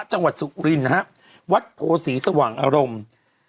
จังหวัดสุรินนะครับวัดโพศีสว่างอารมณ์